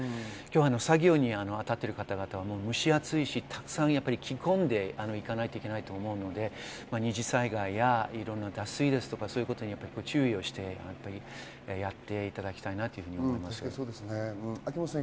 作業にあたっている方々は蒸し暑いし、たくさん着込んでいかないといけないと思うので、二次災害や、いろんな脱水などに注意してやっていただきたいと思います。